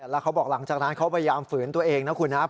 แล้วเขาบอกหลังจากนั้นเขาพยายามฝืนตัวเองนะครับ